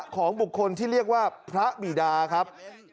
ของบุคคลที่เรียกว่าพระบิดาครับ